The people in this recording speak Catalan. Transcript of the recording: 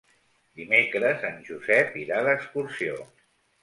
Dimecres en Josep irà d'excursió.